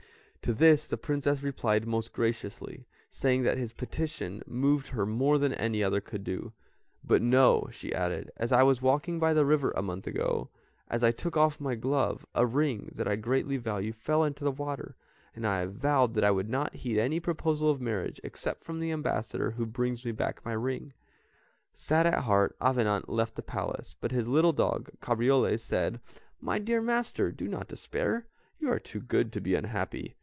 To this the Princess replied most graciously, saying that his petition moved her more than any other could do, "but know," she added, "as I was walking by the river a month ago, as I took off my glove, a ring, that I greatly value, fell into the water, and I have vowed that I will not heed any proposal of marriage, except from the ambassador who brings me back my ring." Sad at heart Avenant left the Palace, but his little dog, Cabriole, said, "My dear master, do not despair, you are too good to be unhappy.